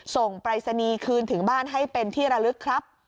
ปรายศนีย์คืนถึงบ้านให้เป็นที่ระลึกครับ